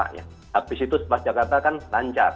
habis itu setelah jakarta kan lancar